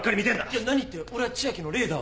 いや何って俺は千秋のレーダー。